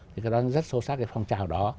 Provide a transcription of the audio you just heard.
thì cái đó